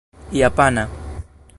japana